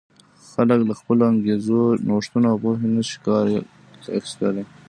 خلک له خپلو انګېزو، نوښتونو او پوهې نه شي کار اخیستلای.